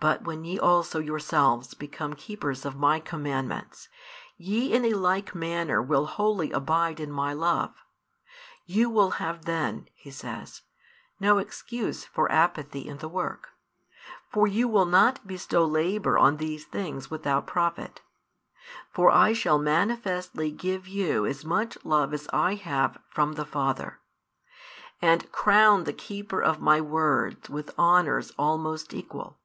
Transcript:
But when ye also yourselves become keepers of My commandments, ye in a like manner will wholly abide in My |397 love. You will have then, He says, no excuse for apathy in the work. For you will not bestow labour on these things without profit. For I shall manifestly give you as much love as I have from the Father; and crown the keeper of My words with honours almost equal.